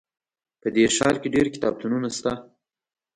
په دې ښار کې ډېر کتابتونونه شته